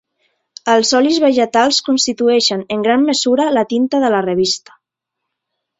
Els olis vegetals constitueixen en gran mesura la tinta de la revista.